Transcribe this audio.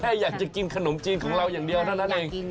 แค่อยากจะกินขนมจีนของเราอย่างเดียวเท่านั้นเอง